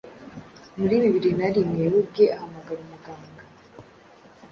muri bibiri na rimwe we ubwe ahamagara umuganga